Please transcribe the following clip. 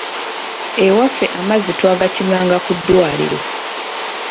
Ewaffe amazzi twagakimanga ku ddwaliro.